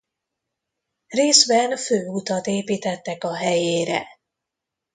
Részben főutat építettek a helyére.